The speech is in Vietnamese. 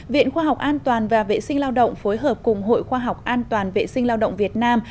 viện khoa học an toàn và vệ sinh lao động phối hợp cùng hội khoa học an toàn vệ sinh lao động việt nam